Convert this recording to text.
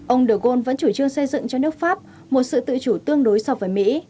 ông do golds vẫn chủ trương xây dựng cho nước pháp một sự tự chủ tương đối so với mỹ